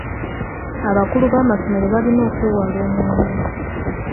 Abakulu b'amasomero balina okwewala omwenge.